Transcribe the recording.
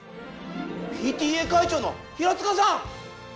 ＰＴＡ会長の平塚さん！